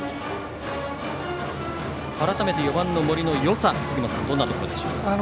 改めて４番の森のよさ杉本さん、どんなところでしょう。